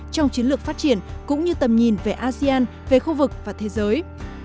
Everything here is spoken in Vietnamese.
trong chiến lược phát triển cũng như tầm nhìn về asean về khu vực và thế giới